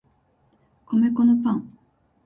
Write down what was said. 米粉のパン